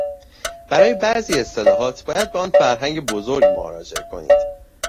برای بعضی اصطلاحات باید به آن فرهنگ بزرگ مراجعه کنید!